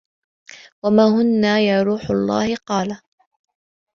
وَمَا هُنَّ يَا رُوحَ اللَّهِ ؟ قَالَ